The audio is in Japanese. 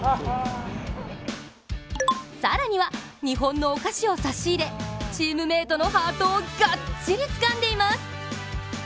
更には、日本のお菓子を差し入れ、チームメートのハートをがっちりつかんでいます。